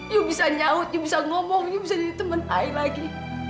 you bisa nyaut you bisa ngomong you bisa jadi temen ai lagi